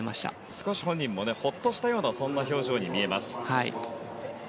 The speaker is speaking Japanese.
少し本人もほっとしたような表情に見えます。